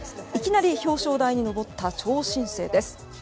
いきなり表彰台に上った超新星です。